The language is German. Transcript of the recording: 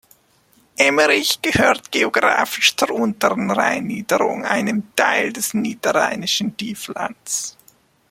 Emmerich gehört geographisch zur Unteren Rheinniederung, einem Teil des Niederrheinischen Tieflands.